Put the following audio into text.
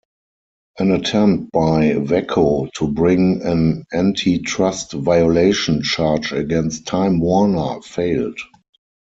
An attempt by Vacco to bring an anti-trust violation charge against Time-Warner failed.